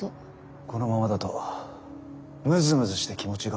このままだとムズムズして気持ちが悪い。